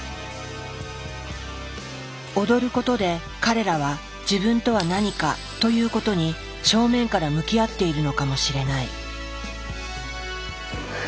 踊ることで彼らは自分とは何かということに正面から向き合っているのかもしれない。